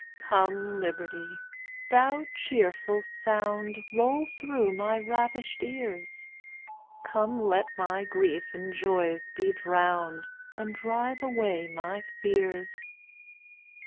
"Come, Liberty! thou cheerful sound, Roll through my ravished ears; Come, let my grief in joys be drowned, And drive away my fears.